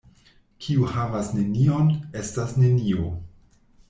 Kiu havas nenion, estas nenio.